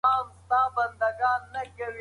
هغه نجلۍ چې پرون تللې وه، نن بېرته راغله.